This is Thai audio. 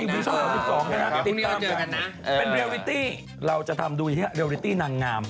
เป็นเรียลวิตี้เราจะทำดูเรียลวิตี้นางงาม